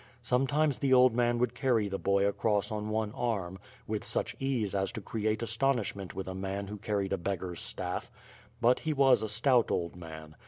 Sometimes the old man would carry the boy across on one arm, with such ease as to create astonishment with a man who carried a beggar's staff; But he was a stout old man.